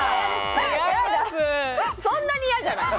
そんなに嫌じゃない。